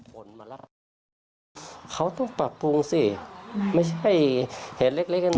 ใช่เขาต้องรับผิดชอบ